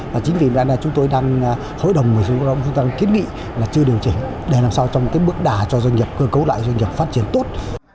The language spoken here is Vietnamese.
và chính vì vậy là chúng tôi đang hội đồng chúng ta đang kiến nghị là chưa điều chỉnh để làm sao trong cái bước đà cho doanh nghiệp cơ cấu lại doanh nghiệp phát triển tốt